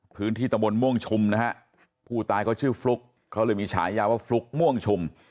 ตะบนม่วงชุมนะฮะผู้ตายเขาชื่อฟลุ๊กเขาเลยมีฉายาว่าฟลุ๊กม่วงชุม